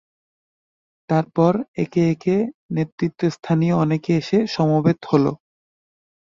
তারপর একে একে নেতৃস্থানীয় অনেকে এসে সমবেত হল।